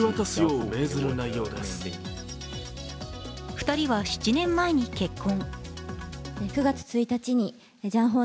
２人は７年前に結婚。